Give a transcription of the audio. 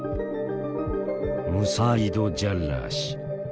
ムサーイド・ジャッラー氏。